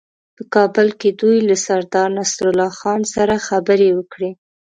په کابل کې دوی له سردارنصرالله خان سره خبرې وکړې.